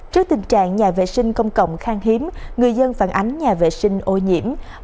trước tình trạng nhà vệ sinh công cộng khang hiếm người dân phản ánh nhà vệ sinh ô nhiễm